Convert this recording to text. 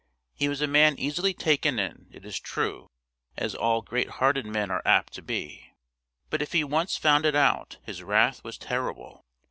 He was a man easily taken in, it is true, as all great hearted men are apt to be; but if he once found it out, his wrath was terrible.